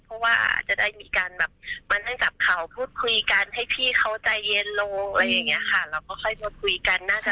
เพราะฉะนั้นตรงสิ่งที่พี่ท็อปไม่ได้มาพูดอะไรในเรื่องตรงนั้นในรายละเอียดอยู่แล้ว